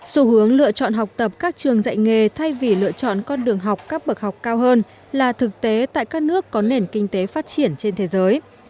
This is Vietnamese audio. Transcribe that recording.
xu hướng lựa chọn học tập các trường dạy nghề thay vì lựa chọn con đường học các bậc học cao hơn là thực tế tại các nước có nền kinh tế phát triển trên thế giới